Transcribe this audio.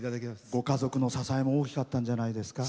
ご家族の支えも大きかったんじゃないですか。